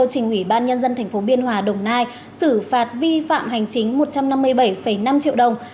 trình ủy ban nhân dân tp biên hòa đồng nai xử phạt vi phạm hành chính một trăm năm mươi bảy năm triệu đồng